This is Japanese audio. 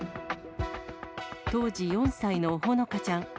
当時４歳のほのかちゃん。